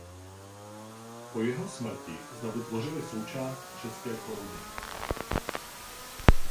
Po jeho smrti znovu tvořily součást České koruny.